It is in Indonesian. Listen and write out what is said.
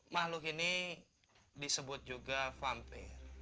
makhluk ini disebut juga fampe